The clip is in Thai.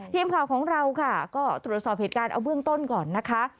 ทีมข่าวของเราค่ะก็ตรวจสอบเหตุการณ์เอาเบื้องต้นก่อนนะคะ